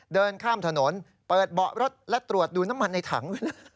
เดินข้ามถนนเปิดเบาะรถและตรวจดูน้ำมันในถัง